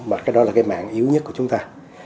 mà cái đó là cái mạng yếu nhất của chúng ta